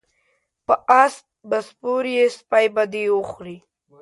په اس به سپور یی سپی به دی وخوري